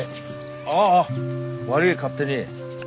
ああ悪い勝手に。